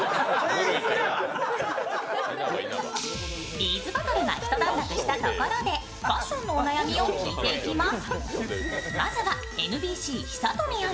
Ｂ’ｚバトルがひと段落したところでファッションのお悩みを聞いていきます。